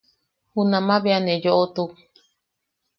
Junama bea ne yoʼotuk.